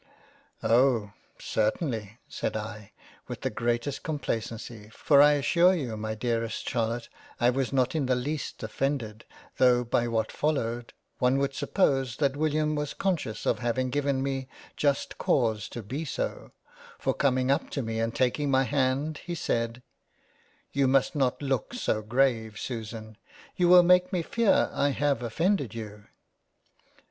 " Oh ! Certainly, (said I, with the greatest complacency, for I assure you my dearest Charlotte I was not in the least offended tho' by what followed, one would suppose that William was conscious of having given me just cause to be so, for coming up to me and taking my hand, he said) " You must not look so grave Susan ; you will make me fear I have offended you